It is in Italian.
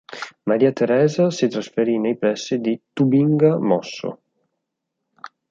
Maria Teresa si trasferì nei pressi di Tubinga mosso.